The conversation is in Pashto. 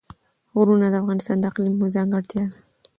غرونه د افغانستان د اقلیم ځانګړتیا ده.